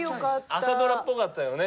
朝ドラっぽかったよね。